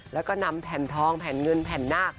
แล้วก็นำแผ่นทองแผ่นเงินแผ่นนาค